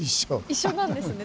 一緒なんですね